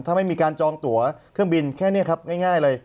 ถ้าไม่มีการจองตัวเครื่องบินแค่นี้ครับง่ายเลย